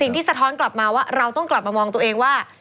สะท้อนกลับมาว่าเราต้องกลับมามองตัวเองว่า